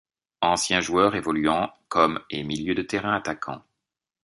Ancien joueur évoluant comme et milieu de terrain attaquant.